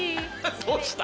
どうした？